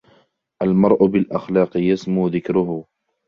المرء بالأخلاق يسمو ذكره.